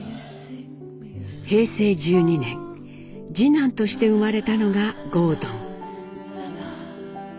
平成１２年次男として生まれたのが郷敦。